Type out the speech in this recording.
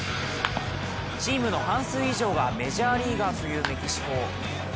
チームの半数以上がメジャーリーガーというメキシコ。